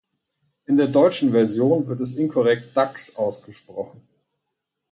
In der deutschen Version wird es inkorrekt "Dax" ausgesprochen.